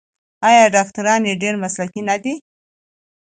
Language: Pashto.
آیا ډاکټران یې ډیر مسلکي نه دي؟